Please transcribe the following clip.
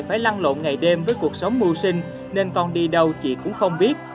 phải lăn lộn ngày đêm với cuộc sống mưu sinh nên còn đi đâu chị cũng không biết